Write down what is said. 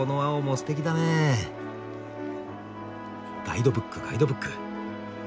ガイドブックガイドブック。